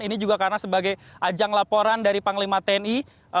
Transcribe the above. ini juga karena sebagai ajang laporan dari panglima tni